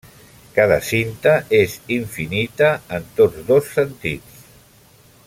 Cada cinta és infinita en tots dos sentits.